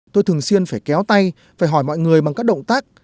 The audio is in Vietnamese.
tôi thường xuyên phải kéo tay phải hỏi mọi người bằng các động tác